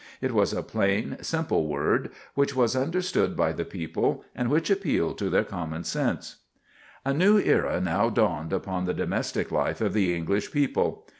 It was a plain, simple word, which was understood by the people and which appealed to their common sense. A new era now dawned upon the domestic life of the English people.